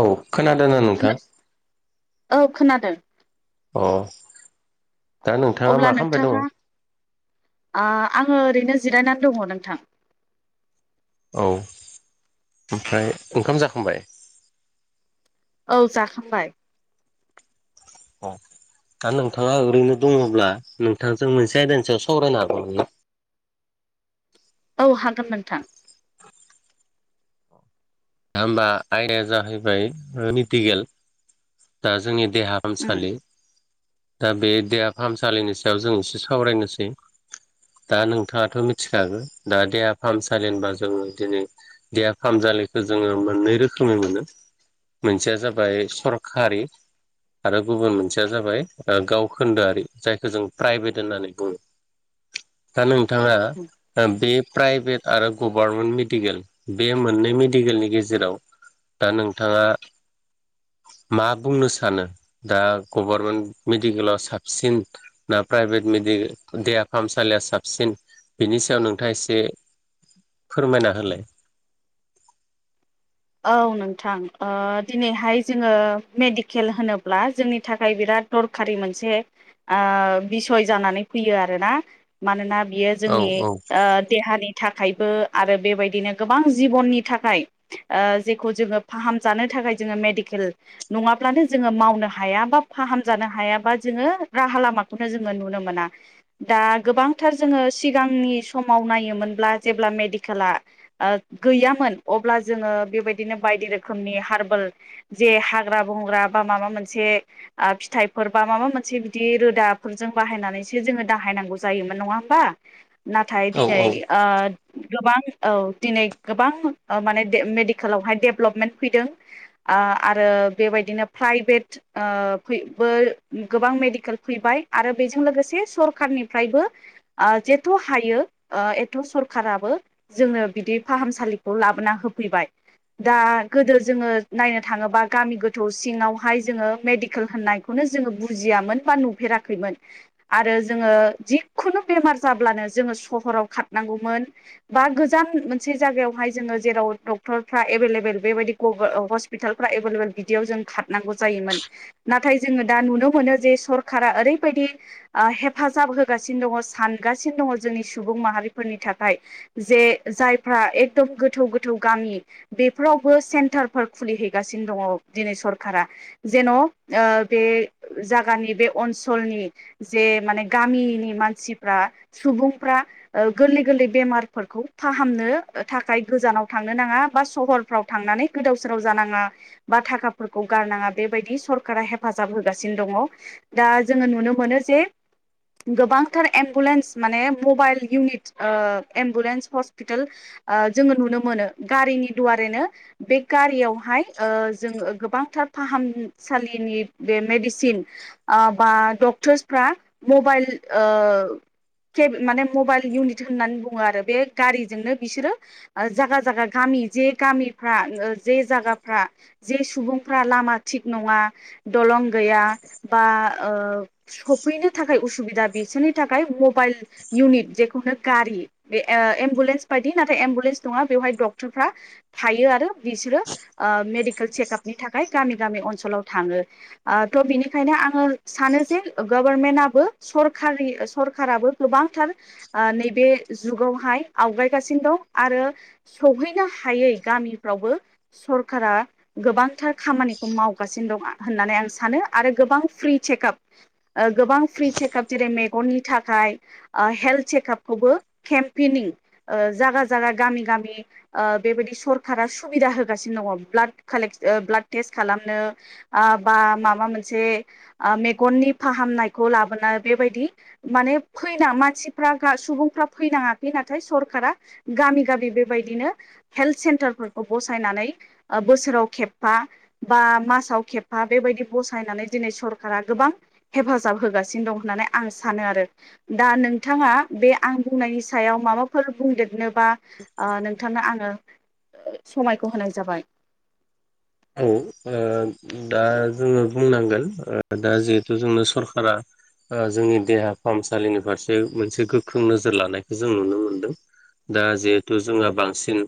औ खोनादोना नोंथां? खोनादो। अ। दा नोंथाङा अब्ला मा खालामबाय दङ नोंथाङा औ आ आङो ओरैनो जिरायना दङ नोंथां। औ ओमफ्राय ओंखाम जाखांबाय? औ जाखांबाय। अ। दा नोंथाङा ओरैनो दङब्ला नोंथांजों मोनसे आयदानि सायाव सावरायनो हागौमोन ना? [inaudible] औ हागोन नोंथां। दा होमबा आयदाया जाहैबाय ओ मिडिगेल दा जोंनि देहा उम हामसालि दा बे देहा फाहामसालिनि सायाव जों एसे सावरायनोसै। दा नोंथाङाथ' मिथिखागो दा देहा फाहामसालि होनबा जोङो दिनै देहा फाहामसालिखो जोङो मोननै रोखोमै मोनो। मोनसेया जाबाय सरखारि आरो गुबुन मोनसेया जाबाय ओ गावखोन्दोआरि जायखौ जों प्राइभेट होननानै बुङो। दा नोंथाङा ओ बे प्राइभेट आरो ग'भारनमेन्ट मेडिकेल बे मोननै मे डिकेलनि गेजेराव दा नोंथाङा मा बुंनो सानो दा गभार्मेन्ट मेडिकेला साबसिन ना प्राइभेट मेड दे-देहा फाहामसालिया साबसिन बिनि सायाव नोंथाङा एसे फोरमायना होलाय। औ नोंथां ओ दिनैहाय जोङो मेडिकेल होनोब्ला जोंनि थाखाय बिराद दरखारि मोनसे आ बिसय जानानै फैयो आरोना। मानोना बियो औ जोंनि औ ओ देहानि थाख थाखायबो आरो बेबायदिनो गोबां जिबननि थाखाय ओ जेखौ जोङो फाहाम जानो थाखाय जोङो मेडिकेल नङाब्लानो जोङो मावनो हाया बा फा फाहाम जानो हाया बा जोङो राहा लामाखोनो जोङो नुनो मोना दा गोबांथार जोङो सि सिगांनि समाव नायोमोनब्ला जेब्ला मेडिकेला ओ गैयामोन अब्ला जोङो बेबायदिनो बायदि रोखोमनि हारबोल जे हाग्रा बंग्रा बा माबा मोनसे ओ फिथाइफोर बा माबा मोनसे बिदि रोदाफोरजों बाहायनानैसो जोङो दाहायनांगौ जायोमोन नङा होमबा? नाथाय औ दिनै औ ओ गोबां औ दिनै गोबां ओ माने मेडिकेलावहाय डेभेलपमेन्ट फैदों ओ आरो बेबायदिनो प्राइभेट ओ गोबां मेडिकेल फैबाय आरो बेजों लोगोसे सरखारनिफ्रायबो आ जेथ' हायो ओ एथ' सरखाराबो जोङो बिदि फाहामसालिखौ लाबोना होफै फैबाय। दा गोदो जोङो नायनो थाङोबा गामि गोथौ सिङावहाय जोङो मेडिकेल होननायखौनो जोङो बुजिया बा नुफेराखैमोन आरो जोङो जिखुनु बेमार जाब्लानो जों जोङो सहराव थांनांगौमोन बा गोजान मोनसे जायगायावहाय जोङो जेराव डक्टरफ्रा एभैेलेबेल बेबायदि हस्पितालफ्रा एभैेलेबल बिदियाव जों खारनांगौ जायोमोन। नाथाय जोङो दा नुनो मोनो जे सरखारा ओरैबायदि ओ हेफाजाब होगासिनो दङ सान गासिनो दङ जोंनि सुबुं माहारिफोरनि थाखाय जे जायफ्रा एकदम गोथौ गो थौव गामि बेफोरावबो सेन्टारफोर खुलिहैगासिनो दङ दिनै सरखारा जेन' ओ बे जागानि बे नसोलनि जे माने गामिनि मानसि सुबुंफ्रा ओ गोरलै गोरलै बेमारफोरखौ फाहामनो थाखाय गोजानाव थांनो नाङा बा सहरफ्राव थांनानै गोदाव सोराव जानाङा बा थाखाफोरखौ गारनाा बेबायदि सरकारा हेफाजाब होगासिनो दङ दा जोङो नुनो मोनो जे गोबांथार एम्बुलेन्स माने मबाइल इउनिट‌ ओ एम्बुलेन्स हस्पिताल ओ जोङो नुनो मोन नो गारिनि दुवारैनो बे गारियावहाय ओ जोङो गोबांथार फाहाम फरायसालिनि बे मेडिसिन आ बा डक्टरसफ्रा मबाइल ओ के माने मबाइल इउनिट होननानै बुङो आरो बे गारिजोंनो बिसोरो जायगा जायगा गामि जे गामिफ्रा जे जायगाफ्रा जे सुबुंफ्रा लामा थिग नङा दलं गैया बा ओ सफैनो थाखाय उसुबिदा बिसोरनि थाखाय मबाइल इउनिट जेखौनो गारि एम्बुलेन्स बायदि नाथाय एम्बुलेन्स नङा बेवहाय डक्टरफ्रा थायो आरो आ बिसोरो मेडिकेल चेकआपनि थाखाय गामि गामि अनसलाव थाङो आ बिनिखायनो आङो सानो जे गभारनमेन्टआबो सरकारि सरखाराबो गोबांथार आ नैबे जुगावहाय आवगायगासिनो दं आरो सहैनो हायै गामिफ्रावबो सरखारा गोबांथार खामानिखौ माव मावगासिनो दं होन्नानै आं सानो आरो गोबां फ्रि सेखाब ओ फ्रि सेखाब जेरै मेगन नि थाखाय ओ हेल्ड चेकपखौबो केमपेनिं ओ जागा जागा गामि गामि ओ बेबायदि सरखारा सुबिदा होगासिनो दङ ब्लाद कालेक बाब्लाद टेस्ट खालामनो ओ बा माबा मोनसे मेगननि फाहामनायखौ लाबोनो बेबायदि माने फैना मानसिफ्रा सुबुंफ्रा फैनाङाखै नाथाय सरखारा गामि गामि बे बेबायदि हेल्ड सेन्टारफोराव बसायनानै ओ बोसोराव खेबफा बा मास साव खेबफा बेबायदि बसायनानै दिनै सरकारा गोबां हेफाजाब होगासिनो दं होननानै आं सानो आरो दा नोंथाङा बे आं बुंनायनि सायाव माबाफोर बुंदेरनोबा ओ नोंथांनो आङो समायखौ होनाय जाबाय। औ ओ दा जोङो बुंनांगोन दा जिहेथु जोंनो सरकारा ओ जोंनि देहा फाहामसालिनि फारसे मोनसे गोख्रों नोजोर लानायखौ जों नुनो मोनदों। दा जिहेथु जोंहा बांसिन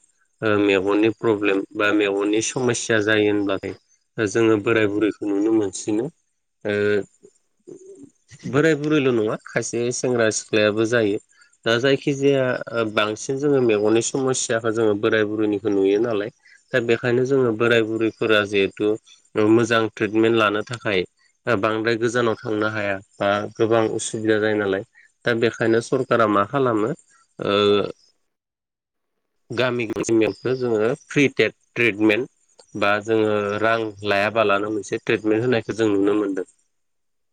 ओ मेगननि प्रब्लेम बा मेगननि समयसि याजायो होनब्लाथाय जोङो बोराय बुरैखौ नुनो मोनसिनो। ओ बोराय बुरैल नङा खायसे सेंग्रा सिख्लायाबो जायो। दा जायखिजाया ओ बांसिन जोङो मेगननि समस्याखौ जोङो बोराय बुरैनिखौ नुयो नालाय दा बेखायनो जोङो बोराय बुरैफोरा जिहेथु मोजां ट्रिटमेन्ट लानो थाखाय बांद्राय गोजानाव थांनो हाया बा गोबां उसुबिदा जायो नालाय। दा बेखायनो सरकारा मा खालामो ओ गामि गामियावसो जोङो फ्रि टेट ट्रिटमेन्ट। बा जोङो रां लायाबालानो मोनसे ट्रिटमेन्ट होनायखौ जों नुनो मोनदों।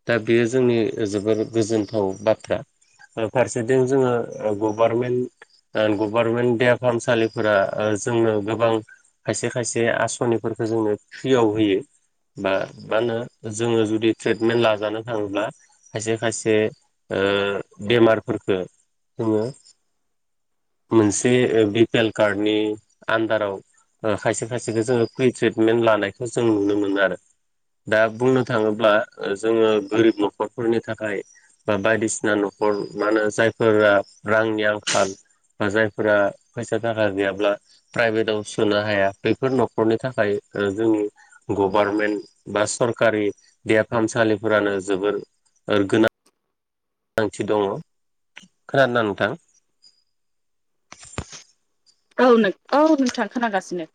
दा बेयो जोंनि जोबोर गोजोनथाव बाथ्रा। फारसेथिं जोङो गभारमेन्ट गभारनमेन्ट देहा फाहामसालिफोरा जोंनो गोबां खायसे खायसे आसनिफोरखौ जोंनो फ्रियाव होयो। बा मा होनो जोङो जुदि ट्रिटमेन्ट लाजानो थाङोब्ला खायसे खायसे ओ बेमारफोरफोरखो जोङो। मोनसे बि पि एल कार्डनि आन्दाराव खायसे खायसेखौ जोङो फ्रि ट्रिटमेन्ट लानायखौ जों नुनो मोनो आरो। दा बुंनो थाङोब्ला जोङो गोरिब न'खरफोरनि थाखाय बा बायदिसिना न'खर मा होनो जायफोरा रांनि आंखाल बा जायफोरा फैसा थाखा गैयाब्ला प्राइभेटाव सोनो हाया बेफोर नखर थाखाय जोंनि गभारनमेन्ट बा सरकारि देहा फाहामसालिफोरानो जोबोर ओ गोनांथि दङ खोनादों ना नोंथां? औ नों औ नोंथां खोनागासिनो।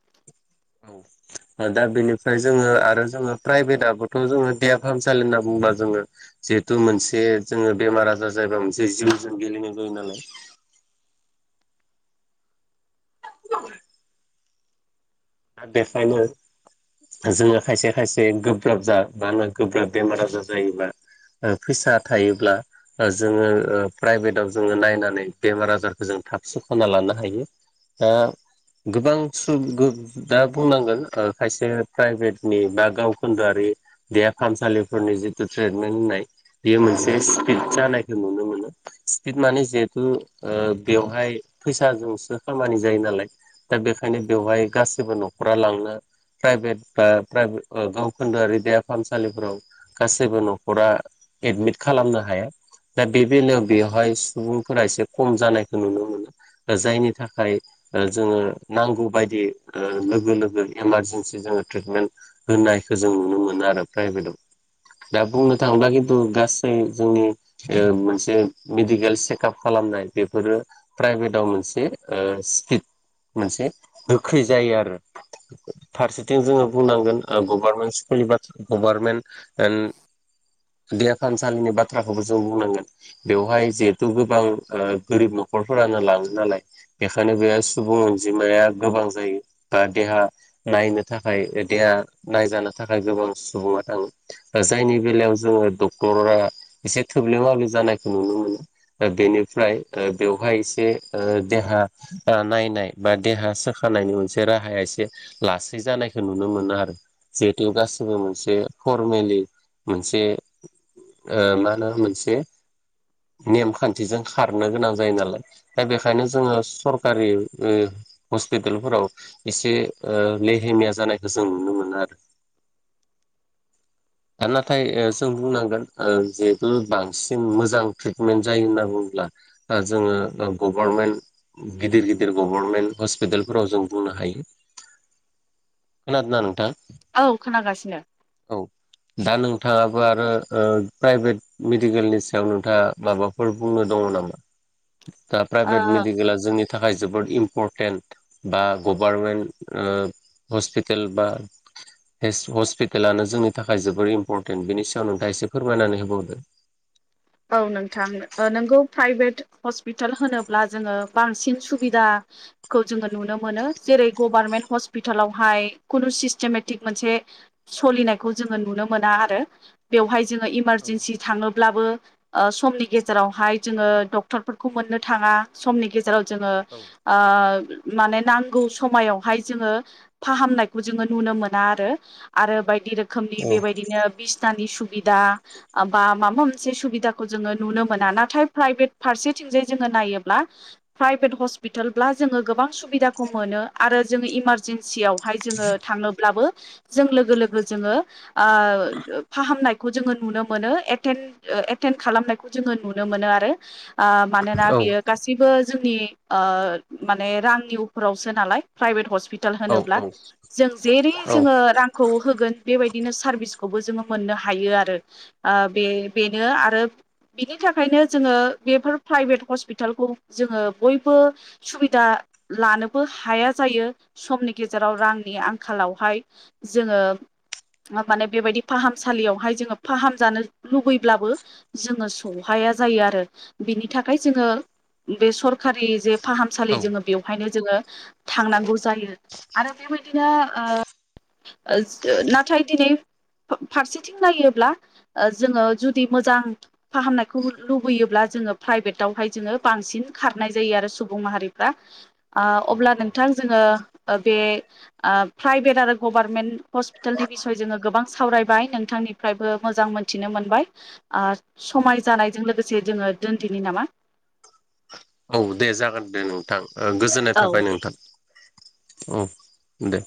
औ दा बेनिफ्राय जोङो आरो जोङो प्राइभेटा बोथ' जोङो देहा फाहामसालि होनना बुं बा जोङो जिहेथु मोनसे जोङो बेमार आजार जायोबा मोनसे जिउ जों गेलेनो जायो नालाय [inaudible] [inaudible] बेखायनो जोङो खायसे खायसे गोब्राब जा बा गोब्राब बेमार आजार जायोबा ओ फैसा थायोब्ला जोङो ओ प्राइभेटाव जोङो नायनानै बेमार आजारखौ जों थाब सोखना लानो हायो। आ गोबां सुबुं गुब दा बुंनांगोन खायसे प्राइभेटनि बा गावखोन्दोआरि देहा फाहामसालिफोरनि जिथु ट्रिटमेन्ट होननाय बेयो मोनसे स्पिड जानायखौ नुनो मोनो स्पिद माने जिहेथु ओ बेवहाय फैसाजोंसो खामानि जायो नालाय दा बेखायनो बेवहाय गाैसैबो न'खरा लांनो प्राइभेट बा प्राइभेट औ गावखोन्दोआरि देहा फाहामसालिफोराव गासैबो न'खरा एडमिट खालामनो हाया। दा बे बेलायाव बेवहाय सुबुंफोरा एसे खम जानायखौ नुनो मोनो। जायनि थाखाय ओ जोङो नांगौ बायदि ओ लोगो लोगो इमारजेेनसि जोङो ट्रिटमेन्ट होनायखौ जों नुनो मोनो आरो प्राइभेटाव। दा बुंनो थाङोब्ला खिन्थु गासै जोंनि मोनसे मेडिकेल चेकआप खालाम नाय बेफोरो प्राइभेटाव मोनसे स्किड मोनसे खै जायो आरो। फारसेथिं जोङो बुंनांगोन गभार्नमेन्ट स्कुलनि बाथ्रा गभार्नमेन्ट देहा फाहामसालिनि बाथ्राखौबो जों बुंनांगोन बेवहाय जिहेथु गोबां गोरिब न'खर नखरफोरानो लाङो नालाय बेखायनो बे सुबुं अनजिमाया गोबां जायो दा देहा नायनो थाखाय देहा नायजानो थाखाय गोबां सुबुङा थाङो। जायनि बेलायाव जोङो डक्टरा एसे थोब्ले माबे जानायखौ नुनो मोनो। बेनिफ्राय बेवहाय एसे देहा नायनाय बा देहा साख खानायनि मोनसे राहाया एसे लासै जानायखौ नुनो मोनो आरो जिहेथु गासिबो मोनसे। फरमेलि मोनसे ओ मा होनो मोनसे नेमखान्थिजों खारनो गोनां जायो नालाय दा बेखायनो जोङो सरकारि। हस्पितालफोराव एसे ओ लेहेमिया जानायखौ जों नुनो मोनो आरो। [inaudible] दा नाथाय ओ जों बुंनांगोन जिहेथु बांसिन मोजां ट्रिटमेन्ट जायो होनना बुङो ब्ला जोङो गभारमेन्ट गिदिर गिदिर गभर्मेन्ट हस्पितालफोराव जों बुंनो हायो खोनादों ना नोंथां औ खोनागासिनो औ दा नोंथाङाबो आरो ओ प्राइभेट मेडिकेलनि सायाव नोंथाङा माबाफोर बुंनो दङ नामा? दा प्राइभेट ओ मेडकेल जोंनि थाखाय जोबोद इम्परटेन्ट बा गभारमेन्ट ओ हस्पिटेल बा हेस हस्पितालानो जोंनि थाखाय थाखाय जोबोर इम्परटेन्ट बेनि सायाव नोंथाङ एसे फोरमायनानै होबावदो। औ नोंथां नोंगौ प्राइभेट हस्पिटाल होनोब्ला जोङो बांसिन सुबिदाखौ जोङो नुनो मोनो जेरै गभा गभानमेन्ट हस्पिटालावहाय खुनु सिस्टेमेटिक मोनसे सोलिनायखौ जोङो नुनो मोना आरो। बेवहाय जोङो औ इमारजेन्सि थाङोब्लाबो ओ समनि गेजेरावहाय जोङो डक्टरफोरखौ मोननो थाङा समनि गेजेराव जोङो ओ माने नांगौ समायावहाय जोङो फाहामनायखौ जोङो नुनो मोना आरो आरो बायदि रोख खोमनि औ बेबायदिनो बिसनानि सुबिदा बा माबा मोनसे सुबिदा खौ जोङो नुनो मोना नाथाय प्राइभेट फारसेथिंजाय जोङो नायोब्ला प्राइभेट हस्पिटाब्ला जोङो गोबां सुबिदाखौ मोनो आरो जोङो इमारजेन्सियाव हाय जोङो थाङोब्लाबो जों लोगो लोगो जोङो ओ फाहामनाय खौ जोङो नुनो मोनो एटेम्प ओ एटेम्प खालामनायखौ जोङो नुनो मोनो आरो आ मानोना औ बियो गासिबो जोंनि ओ माने रांनि उपोरावसो नालाय प्राइभेट हस्पि टाल औ होनोब्ला जों जेरै औ जोङो रांखौ होगोन बेबायदिनो सारभिस। खौबो जोङो मोननो हायो आरो ओ बे बेनो आरो बिनि थाखायनो जोङो बेफोर प्राइभेट हस्पिटालखौ जोङो बयबो सुबिदा लानोबो हाया जायो समनि गेजेराव रांनि आंखालावहाय जोङो माबानो बेबायदि फाहामसालियावहाय जोङो फाहाम जानो लुुबैब्लाबो जोङो सौहाया जायो आरो बिनि थाखाय जोङो बे सरखारि जे फाहामसालि जोङो बेवहायनो जोङो थांनांगौ जायो आरो बेबायदिनो ओ जो ओ नाथाय दिनै फारसेथिं नायोब्ला ओ जोङो जुदि मोजां फाहामनायखौ लुबैयोब्ला जोङो प्राइभेटावहाय जोङो बांसिन खारनाय जायो आरो सुबुं माहारिफ्रा आ अब्ला औ नोंथां जोङो ओ बे ओ प्राइभेट आरो गभार्नमेन्ट हस्पिटालनि बिसय जोङो गोबां सावरायबाय नोंथां निफ्रायबो मोजां मोनथिनो मोनबाय आ औ समाय जानायजों लोगोसे जोङो दोनदिनि नामा। औ दे जागोन दे नोंथां ओ गोजोननाय औ थाबाय दे नोंथां। औ दे